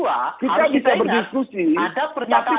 harus kita ingat ada pernyataan